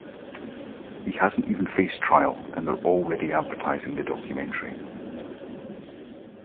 He hasn't even faced trial and they're already advertising the documentary.